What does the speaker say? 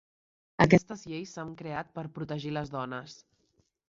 Aquestes lleis s'han creat per protegir les dones.